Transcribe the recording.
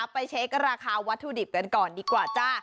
ไปเช็คราคาวัตถุดิบกันก่อนดีกว่าจ้า